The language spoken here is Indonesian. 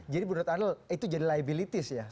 jadi menurut anda itu jadi liabilitas